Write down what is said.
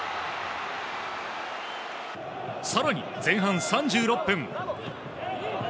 さらに前半３６分。